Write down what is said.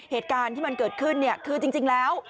เหตุการณ์ที่มันเกิดขึ้นเนี่ยคือจริงแล้ว